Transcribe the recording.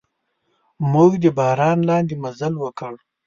موږ د باران لاندې مزل وکړ.